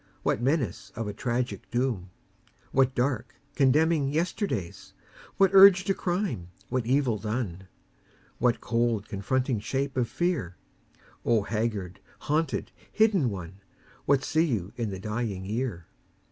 What menace of a tragic doom? What dark, condemning yesterdays? What urge to crime, what evil done? What cold, confronting shape of fear? O haggard, haunted, hidden One What see you in the dying year?